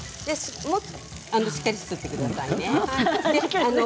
もっとしっかりすってくださいね。